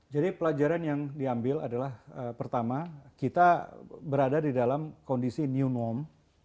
jadi pelajaran yang diambil adalah pertama kita berada di dalam kondisi new norm